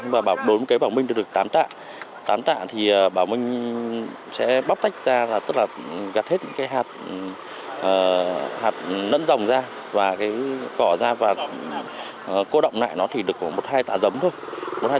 và đối với bà minh thì được tám tạ tám tạ thì bà minh sẽ bóc tách ra tức là gặt hết những cây hạt nẫn dòng ra và cỏ ra và cố động lại nó thì được một hai tạ giống thôi